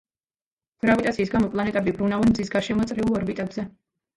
გრავიტაციის გამო პლანეტები ბრუნავენ მზის გარშემო წრიულ ორბიტებზე.